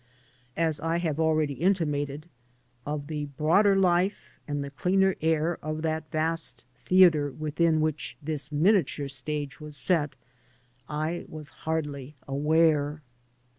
As I have already intimated, of the broader life and the cleaner air of that vast theater within which this miniature stage was set I was hardly aware.